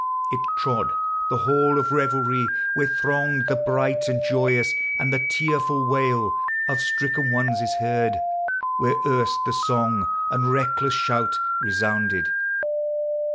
It trod the hall of revelry, where thronged The bright and joyous, and the tearful wail Of stricken ones is heard where erst the song And reckless shout resounded.